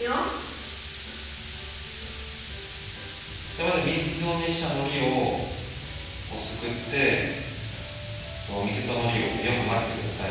じゃあまずミンチじょうにしたのりをすくって水とのりをよくまぜてください。